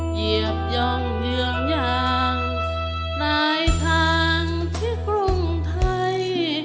เหยียบย่องเยืองอย่างปลายทางที่กรุงไทย